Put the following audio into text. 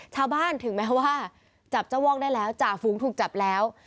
ถึงแม้ว่าจับเจ้าว่องได้แล้วจ่าฝูงถูกจับแล้ว